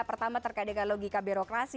pertama terkait dengan logika birokrasi